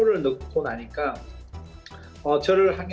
dan menang di pangkat belakang